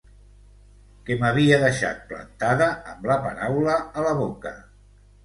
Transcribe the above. Que m'havia deixat plantada, amb la paraula a la boca.